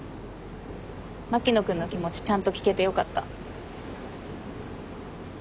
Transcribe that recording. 牧野君の気持ちちゃんと聞けてよかった。